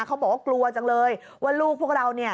เขาบอกว่ากลัวจังเลยว่าลูกพวกเราเนี่ย